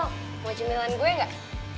mau cemilan gue gak